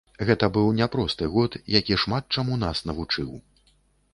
Гэта быў няпросты год, які шмат чаму нас навучыў.